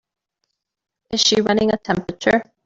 Is she running a temperature?